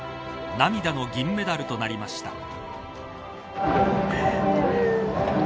涙の銀メダルとなりました。